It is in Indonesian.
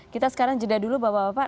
kita sekarang jeda dulu bapak bapak